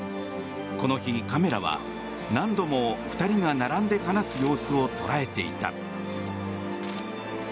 この日、カメラは何度も２人が並んで話す様子を捉えていた。